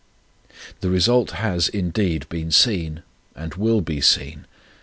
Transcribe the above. The result has indeed been seen, and will be seen.